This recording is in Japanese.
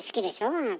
あなた。